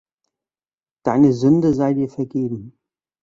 Deine Sünde sei dir vergeben.